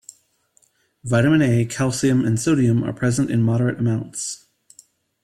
Vitamin A, calcium and sodium are present in moderate amounts.